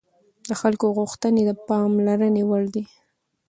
د خلکو غوښتنې د پاملرنې وړ دي